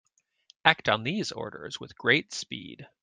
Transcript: Act on these orders with great speed.